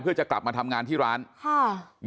เพื่อจะกลับมาทำงานที่ร้านค่ะ